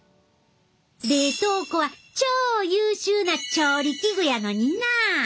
冷凍庫は超優秀な調理器具やのにな！